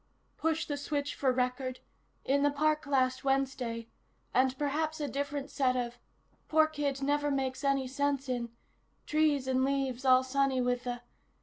"... push the switch for record ... in the park last Wednesday ... and perhaps a different set of ... poor kid never makes any sense in ... trees and leaves all sunny with the